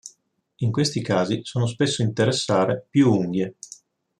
In questi casi sono spesso interessare più unghie.